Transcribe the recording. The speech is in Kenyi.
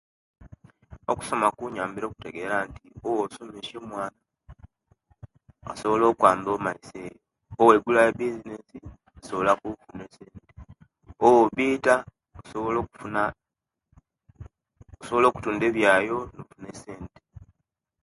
Okusoma kubayambire okutegera nti obuwosomesya omuwana asobola okuyamba emiso obwoigulawo ebizinesi osobola okufuna esente, obwobita osobola ofuna osobola okutunda ebyayo nofuna esente